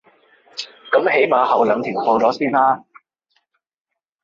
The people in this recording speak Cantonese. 噉起碼後兩條報咗先啦